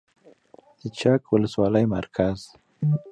د چک ولسوالۍ مرکز